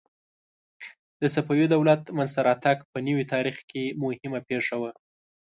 د صفوي دولت منځته راتګ په نوي تاریخ کې مهمه پېښه وه.